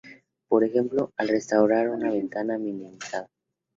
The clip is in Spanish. Por ejemplo, al restaurar una ventana minimizada.